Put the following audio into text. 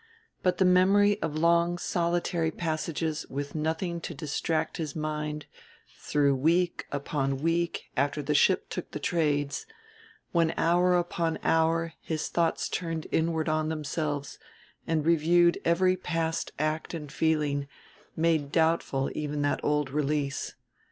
But the memory of long solitary passages with nothing to distract his mind through week upon week after the ship took the trades, when hour upon hour his thoughts turned inward on themselves and reviewed every past act and feeling, made doubtful even that old release.